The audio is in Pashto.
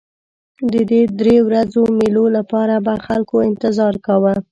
د دې درې ورځو مېلو لپاره به خلکو انتظار کاوه.